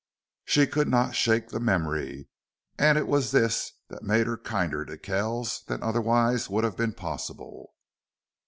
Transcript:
She could not shake the memory. And it was this that made her kinder to Kells than otherwise would have been possible.